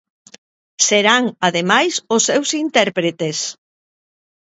Serán ademais os seus intérpretes.